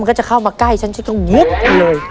ก็จะเข้ามาใกล้ฉันฉันก็วุ๊บเลย